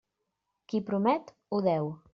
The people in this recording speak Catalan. Qui promet, ho deu.